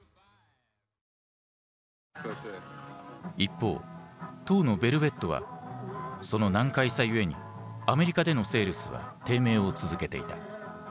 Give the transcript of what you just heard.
一方当のヴェルヴェットはその難解さゆえにアメリカでのセールスは低迷を続けていた。